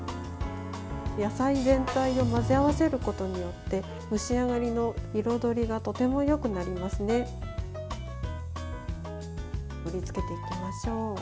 野菜全体を混ぜ合わせることによって蒸し上がりの彩りがとてもよくなりますね。